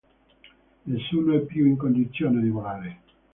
Nessuno è più in condizione di volare.